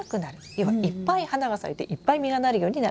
要はいっぱい花が咲いていっぱい実がなるようになるんです。